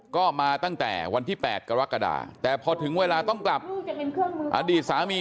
ก็มาตั้งแต่วันที่๘กรกฎาแต่พอถึงเวลาต้องกลับอดีตสามี